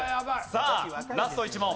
さあラスト１問！